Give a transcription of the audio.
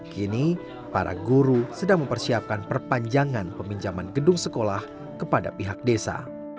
kini para guru sedang mempersiapkan perpanjangan peminjaman gedung sekolah kepada pihak desa